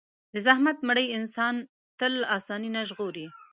د زحمت مړۍ انسان له تن آساني نه ژغوري.